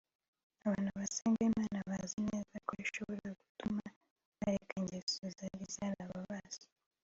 Abantu basenga Imana bazi neza ko ishobora gutuma bareka ingeso zari zarababase